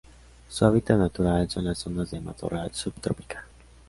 Su hábitat natural son las zonas de matorral subtropical.